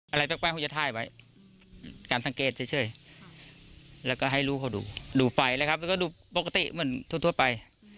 อะไรแปลกคงจะถ่ายไว้การสังเกตเฉยแล้วก็ให้ลูกเขาดูดูไปนะครับแล้วก็ดูปกติเหมือนทั่วไป